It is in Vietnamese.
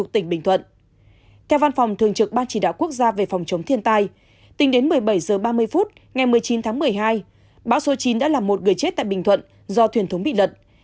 tính đến một mươi bảy h ba mươi phút ngày một mươi chín tháng một mươi hai bão số chín đã là một người chết tại bình thuận do thuyền thống bị lật